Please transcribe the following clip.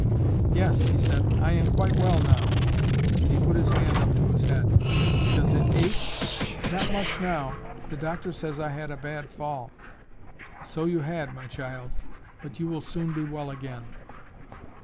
"Yes," he said, "I am quite well now." And he put his hand up to his head. "Does it ache?" "Not much now. The doctor says I had a bad fall." "So you had, my child. But you will soon be well again."